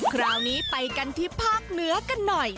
คราวนี้ไปกันที่ภาคเหนือกันหน่อย